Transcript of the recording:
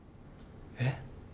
えっ？